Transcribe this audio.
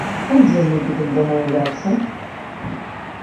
А дзе мы будзем дамаўляцца?!